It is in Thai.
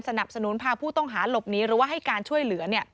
สนับสนุนพาผู้ต้องหาหลบนี้หรือว่าให้การช่วยเหลือ